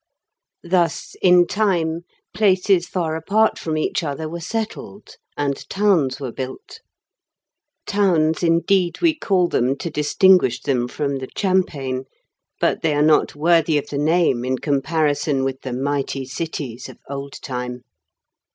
Thus, in time, places far apart from each other were settled, and towns were built; towns, indeed, we call them to distinguish them from the champaign, but they are not worthy of the name in comparison with the mighty cities of old time.